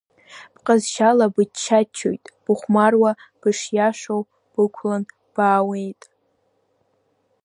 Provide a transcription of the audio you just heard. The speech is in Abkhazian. Бҟазшьала бычча-ччоит, быхәмаруа, бышиашоу бықәлан баауеит.